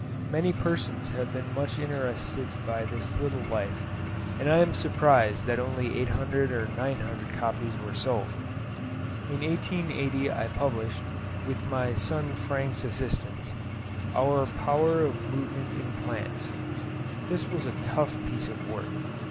Many persons have been much interested by this little life, and I am surprised that only 800 or 900 copies were sold. In 1880 I published, with [my son] Frank's assistance, our 'Power of Movement in Plants.' This was a tough piece of work.